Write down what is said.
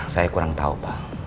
saya kurang tahu pak